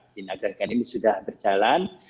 di nagra sekarang ini sudah berjalan